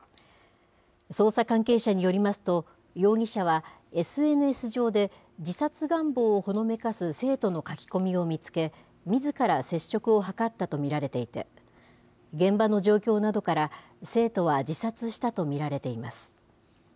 捜査関係者によりますと、容疑者はＳＮＳ上で自殺願望をほのめかす生徒の書き込みを見つけ、みずから接触を図ったと見られていて、現場の状況などから、生徒は自殺したと見られています。